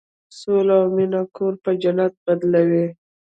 سوله او مینه کور په جنت بدلوي.